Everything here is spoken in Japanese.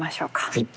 はい。